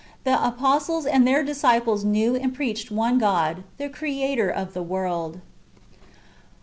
The apostles and their disciples knew and preached one God, the Creator of the luorld.